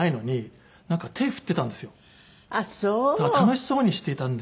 だから楽しそうにしていたんで。